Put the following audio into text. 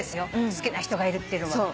好きな人がいるっていうのは。